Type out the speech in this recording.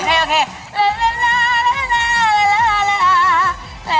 โอเค